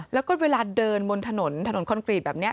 แล้วก็เวลาเดินบนถนนถนนคอนกรีตแบบนี้